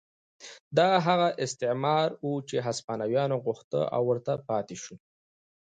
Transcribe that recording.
دا هغه استعمار و چې هسپانویانو غوښت او ورته پاتې شول.